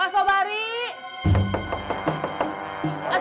jangan bawa aja minta